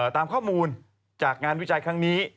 ตามข้อมูลจากงานวิจัยครั้งนี้